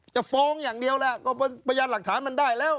จะฟ้องอย่างเดียวแล้วก็พยานหลักฐานมันได้แล้ว